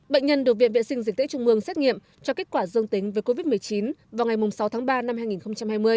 bệnh nhân được viện vệ sinh dịch tễ trung mương xét nghiệm cho kết quả dương tính với covid một mươi chín vào ngày sáu tháng ba năm hai nghìn hai mươi